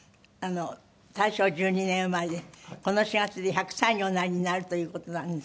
大正１２年生まれでこの４月で１００歳におなりになるという事なんですけど。